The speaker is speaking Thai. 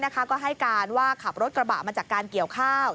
ก็ให้การว่าขับรถกระบะมาจากการเกี่ยวข้าว